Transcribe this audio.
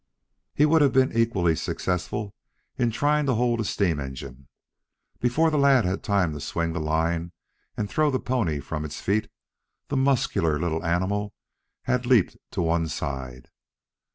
He would have been equally successful in trying to hold a steam engine. Before the lad had time to swing the line and throw the pony from its feet, the muscular little animal had leaped to one side.